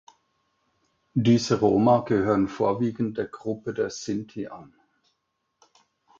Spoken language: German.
Diese Roma gehören vorwiegend der Gruppe der Sinti an.